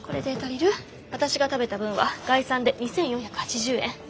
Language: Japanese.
私が食べた分は概算で２，４８０円。